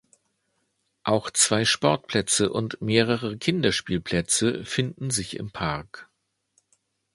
Auch zwei Sportplätze und mehrere Kinderspielplätze finden sich im Park.